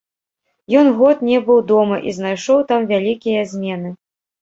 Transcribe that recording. Ён год не быў дома і знайшоў там вялікія змены.